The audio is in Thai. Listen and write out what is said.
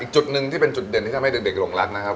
อีกจุดหนึ่งที่เป็นจุดเด่นที่ทำให้เกษฐกะโรงลักษณ์นะครับ